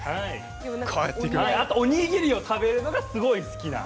あと、おにぎりを食べるのがすごい好きな。